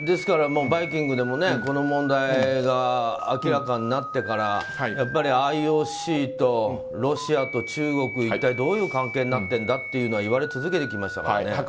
ですから「バイキング」でもこの問題が明らかになってからＩＯＣとロシアと中国一体どういう関係になっているんだと言われ続けていましたからね。